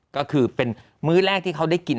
ก็คือเป็นมื้อแรกที่เขาได้กิน